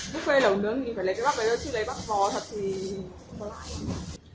buffet lẩu nướng thì phải lấy cái bắp đấy thôi chứ lấy bắp bò thật thì